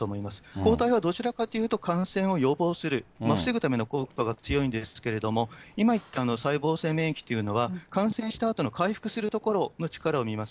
抗体はどちらかというと感染を予防する、防ぐための効果が強いんですけれども、今言った細胞性免疫というのは、感染したあとの回復するところの力を見ます。